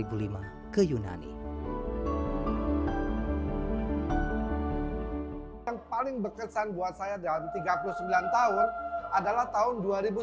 yang paling berkesan buat saya dalam tiga puluh sembilan tahun adalah tahun dua ribu sembilan belas